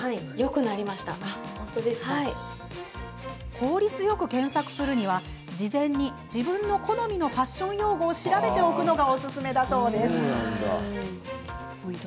効率よく検索するには、事前に自分の好みのファッション用語を調べておくのがおすすめだそうです。